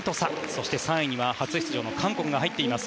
そして３位には初出場の韓国が入っています。